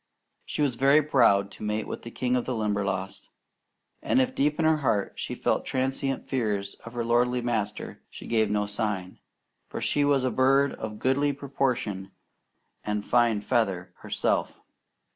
She was very proud to mate with the king of the Limberlost; and if deep in her heart she felt transient fears of her lordly master, she gave no sign, for she was a bird of goodly proportion and fine feather herself.